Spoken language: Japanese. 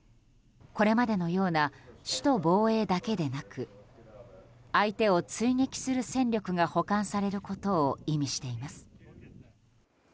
これまでのような首都防衛だけでなく相手を追撃する戦力が補完されることを意味しています。